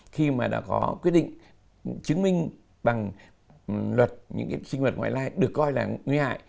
khi mà đã có quyết định chứng minh bằng luật những sinh vật ngoại lai được coi là nguy hại